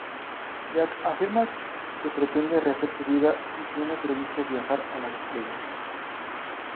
Jack afirma que pretende rehacer su vida y tiene previsto viajar a las estrellas.